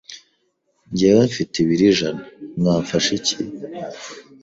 Ngewe nfite ibiro ijana mwanfasha iki